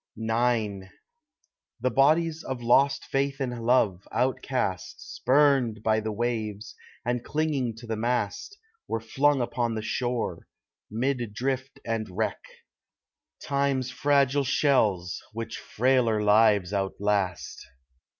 IX The bodies of lost Faith and Love, outcast, Spurned by the waves, and clinging to the mast, Were flung upon the shore, mid drift and wreck,— Time's fragile shells, which frailer lives outlast.